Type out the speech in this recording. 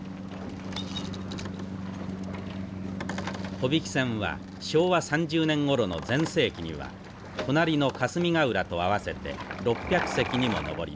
帆引き船は昭和３０年ごろの全盛期には隣の霞ヶ浦と合わせて６００隻にも上りました。